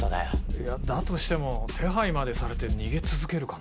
いやだとしても手配までされて逃げ続けるかな？